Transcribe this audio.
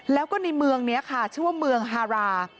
แล้วก็ในเมืองนี้ค่ะชื่อว่าเมืองฮารา